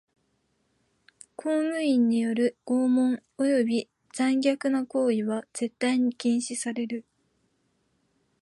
公務員による拷問および残虐な行為は絶対に禁止される。